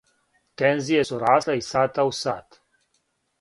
Тензије су расле из сата у сат.